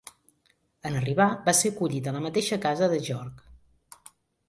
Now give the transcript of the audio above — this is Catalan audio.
En arribar, va ser acollit a la mateixa casa de Georg.